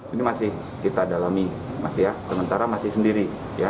ini masih kita dalami sementara masih sendiri